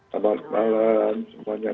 selamat malam semuanya